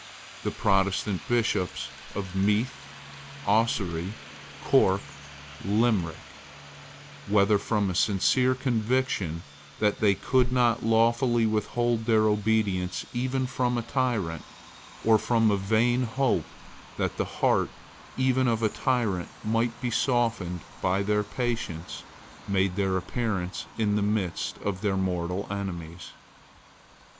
The Protestant Bishops of Meath, Ossory, Cork, and Limerick, whether from a sincere conviction that they could not lawfully withhold their obedience even from a tyrant, or from a vain hope that the heart even of a tyrant might be softened by their patience, made their appearance in the midst of their mortal enemies.